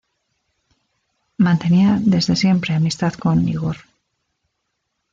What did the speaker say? Mantenía desde siempre amistad con Igor.